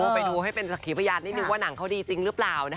ไปดูให้เป็นสักขีพยานนิดนึงว่าหนังเขาดีจริงหรือเปล่า